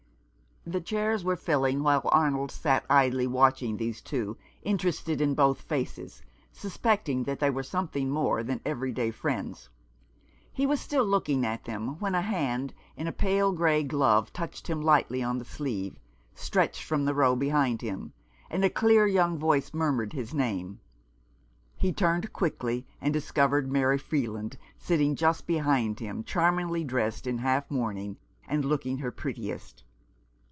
The chairs were filling while Arnold sat idly watching these two, interested in both faces, sus pecting that they were something more than every day friends. He was still looking at them when a hand in a pale grey glove touched him lightly on the sleeve, stretched from the row behind him, and a clear young voice murmured his name. He turned quickly, and discovered Mary Freeland sitting just behind him, charmingly dressed in half mourning and looking her prettiest.